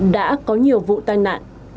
đã có nhiều vụ tai nạn